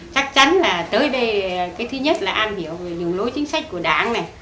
chắc chắn là tới đây thứ nhất là am hiểu về những lối chính sách của đảng này